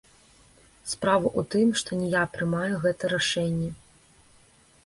Справа ў тым, што не я прымаю гэта рашэнне.